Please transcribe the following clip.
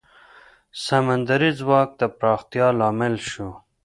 سمندري ځواک د پراختیا لامل شو.